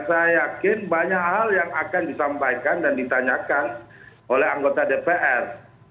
saya yakin banyak hal yang akan disampaikan dan ditanyakan oleh anggota dpr